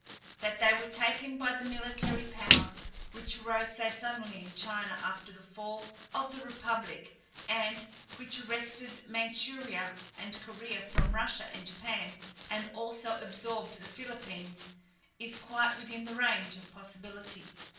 That they were taken by the military power, which rose so suddenly in China after the fall of the republic, and which wrested Manchuria and Korea from Russia and Japan, and also absorbed the Philippines, is quite within the range of possibility.